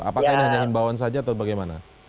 apakah ini hanya himbauan saja atau bagaimana